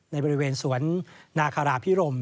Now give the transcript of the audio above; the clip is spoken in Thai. ในบริเวณสวนนาคาราพิรม